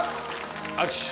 握手！